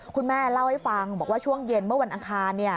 คุณแม่เล่าให้ฟังบอกว่าช่วงเย็นเมื่อวันอังคาร